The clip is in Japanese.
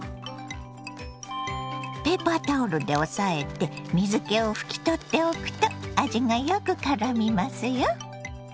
ペーパータオルで押さえて水けを拭き取っておくと味がよくからみますよ。